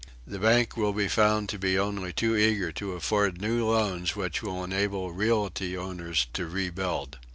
The banks will be found to be only too eager to afford new loans which will enable realty owners to rebuild.